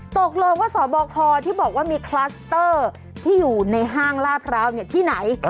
ตกลงว่าสบคที่บอกว่ามีคลัสเตอร์ที่อยู่ในห้างลาดพร้าวที่ไหน